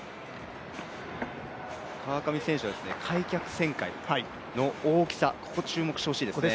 川上選手は開脚旋回の大きさに注目してほしいですね。